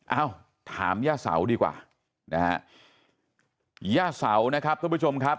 เอ้าถามย่าเสาดีกว่านะฮะย่าเสานะครับท่านผู้ชมครับ